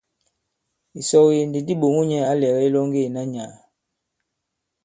Ìsɔge ndi di ɓòŋo nyɛ̄ ǎ lɛ̀gɛ ilɔŋge ìna nyàà.